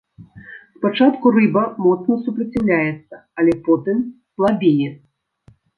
Спачатку рыба моцна супраціўляецца, але потым слабее.